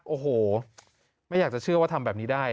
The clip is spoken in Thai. โอ้โหไม่อยากจะเชื่อว่าทำแบบนี้ได้